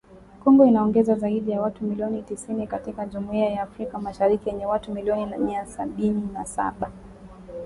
Kongo inaongeza zaidi ya watu milioni tisini katika Jumuiya ya Afrika Mashariki yenye watu milioni mia sabini na saba.